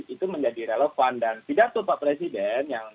itu menjadi relevan dan tidak itu pak presiden